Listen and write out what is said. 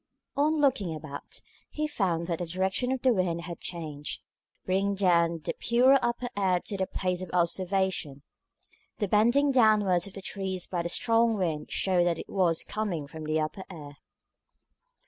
On looking about, he found that the direction of the wind had changed, bringing down the purer upper air to the place of observation. The bending downwards of the trees by the strong wind showed that it was coming from the upper air.